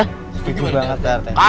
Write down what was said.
setuju banget pak rt